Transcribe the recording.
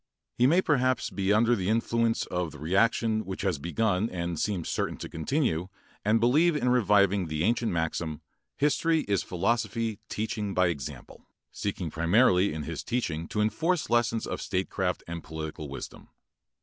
He may perhaps be under the influence of the reaction which has begun and seems certain to continue and believe in reviving the ancient maxim, "history is philosophy teaching by example," seeking primarily in his teaching to enforce lessons of statecraft and political wisdom.